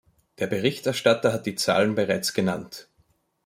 Der Berichterstatter hat die Zahlen bereits genannt.